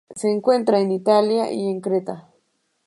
Se encuentra en Italia y en Creta.